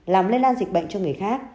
làm lây lan dịch bệnh cho người khác